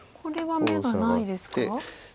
これは眼がないですか？